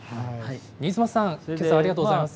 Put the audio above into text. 新妻さん、けさはありがとうございます。